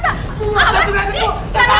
hantu bukan rasa